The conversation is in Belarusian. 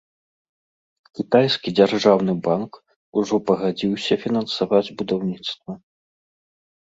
Кітайскі дзяржаўны банк ужо пагадзіўся фінансаваць будаўніцтва.